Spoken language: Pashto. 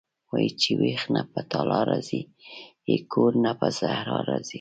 وايي چې وېش نه په تالا راضي یې کور نه په صحرا راضي یې..